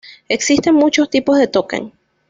Existen muchos tipos de "token".